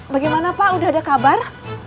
bagaimana pak sudah ada kabar